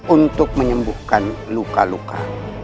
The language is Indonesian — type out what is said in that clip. untuk menyembuhkan luka luka